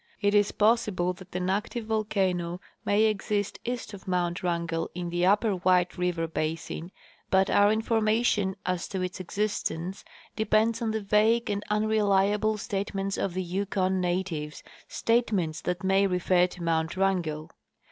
It is possible that an active volcano may exist east of mount Wrangell in the upper White river basin, but our information as to its existence depends on the vague and unreliable state ments of the Yukon natives — statements that may refer to mount Wrangell.